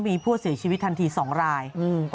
มีผู้เสียชีวิตทันที๒ราย